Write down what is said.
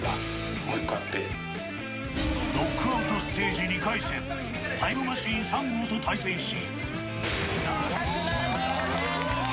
ノックアウトステージ２回戦タイムマシーン３号と対戦し。